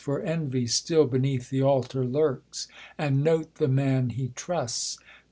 For envy still beneath the altar lurks ; And note the man he trusts.